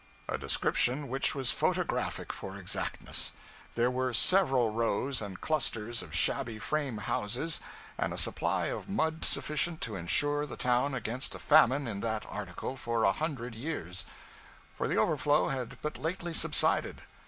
A description which was photographic for exactness. There were several rows and clusters of shabby frame houses, and a supply of mud sufficient to insure the town against a famine in that article for a hundred years; for the overflow had but lately subsided.